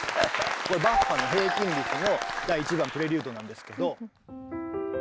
これバッハの「平均律」の第１番プレリュードなんですけど。